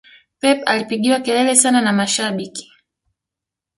pep alipigiwa kelele sana na mashabiki